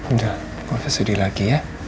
udah aku ga usah sedih lagi ya